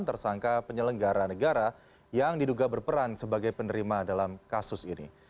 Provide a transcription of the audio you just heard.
tersangka penyelenggara negara yang diduga berperan sebagai penerima dalam kasus ini